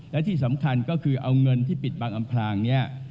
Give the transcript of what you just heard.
และที่สำคัญก็คือเอาเงินที่ปิดบังอำพลางเนี่ย